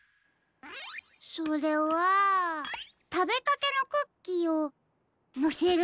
それはたべかけのクッキーをのせるため？